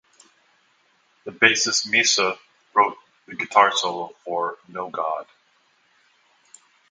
The bassist Misa wrote the guitar solo for "No God".